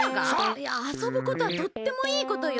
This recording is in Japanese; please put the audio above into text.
いやあそぶことはとってもいいことよ。